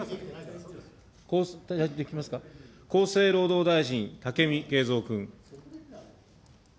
厚生労働大臣、武見敬三君。